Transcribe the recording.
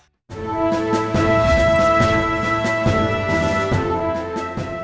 ท่านค่ะ